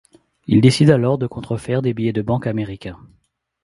Il décide alors de contrefaire des billets de banque américains.